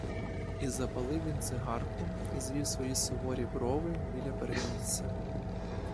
І запалив він цигарку і звів свої суворі брови біля перенісся.